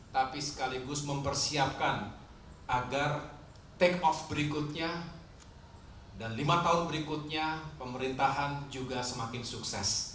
tapi sekaligus mempersiapkan agar take off berikutnya dan lima tahun berikutnya pemerintahan juga semakin sukses